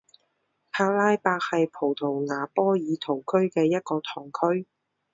帕拉达是葡萄牙波尔图区的一个堂区。